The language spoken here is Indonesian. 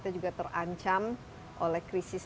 kekuatan yang lebih luas